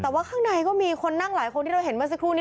แต่ว่าข้างในก็มีคนนั่งหลายคนที่เราเห็นเมื่อสักครู่นี้